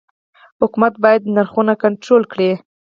حکومت باید نرخونه کنټرول کړي؟